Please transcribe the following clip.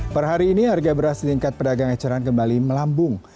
per hari ini harga beras di tingkat pedagang eceran kembali melambung